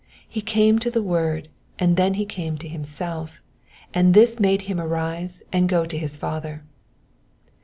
He came to the word, and then he came to himself, and thLi made him arise and go to his Father.